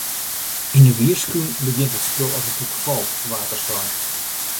Yn de Wierskún begjint it spul as it doek falt, waard der sein.